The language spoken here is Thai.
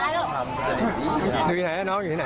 แล้วทำไมมีเจรจภารกิจมีเยอะ